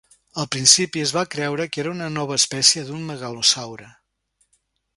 Al principi es va creure que era una nova espècie d'un megalosaure.